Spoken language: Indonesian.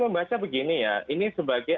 membaca begini ya ini sebagai